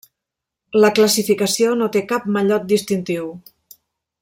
La classificació no té cap mallot distintiu.